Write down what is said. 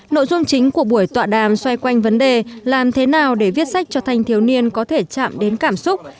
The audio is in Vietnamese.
nội dung chính của buổi tọa đàm xoay quanh vấn đề làm thế nào để viết sách cho thanh thiếu niên có thể chạm đến cảm xúc